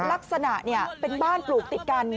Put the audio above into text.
ลักษณะเป็นบ้านปลูกติดกัน